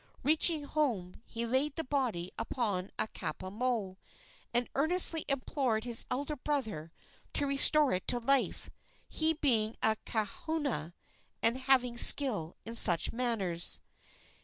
Reaching home, he laid the body upon a kapa moe, and earnestly implored his elder brother to restore it to life, he being a kahuna and having skill in such matters.